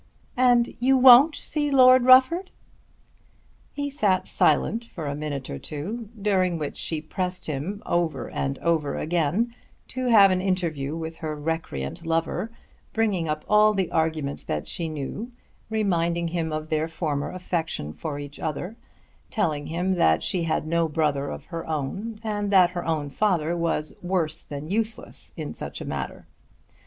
"And you won't see Lord Rufford?" He sat silent for a minute or two during which she pressed him over and over again to have an interview with her recreant lover, bringing up all the arguments that she knew, reminding him of their former affection for each other, telling him that she had no brother of her own, and that her own father was worse than useless in such a matter.